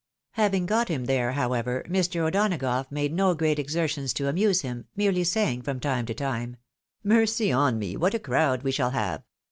Having got him there, however, Mr. O'Donagough made no great exer tions to amuse him, merely saying from time to time, " Mercy on me ! what a crowd we shall have